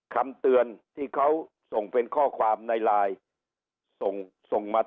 คำเตือนที่เขาส่งเป็นข้อความในไลน์ส่งส่งมา